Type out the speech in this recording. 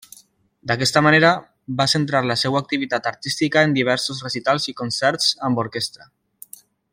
D'aquesta manera, va centrar la seva activitat artística en diversos recitals i concerts amb orquestra.